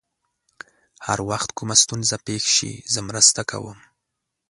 هر وخت کومه ستونزه پېښ شي، زه مرسته کوم.